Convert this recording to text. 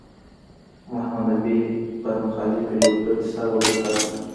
محمد نبي په مخالفې لوبډلې سر وګرځاوه